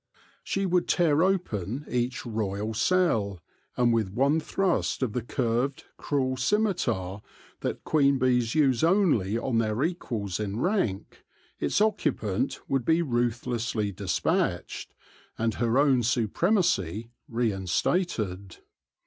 She would tear open each royal cell, and with one thrust of the curved, cruel scimitar that queen bees use only on their equals in rank, its occupant would be ruth lessly despatched, and her ow r n supremacy reinstated.